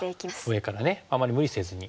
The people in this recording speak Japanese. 上からねあまり無理せずに。